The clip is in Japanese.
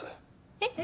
えっ？